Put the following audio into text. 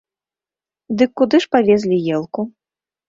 Дык куды ж павезлі елку?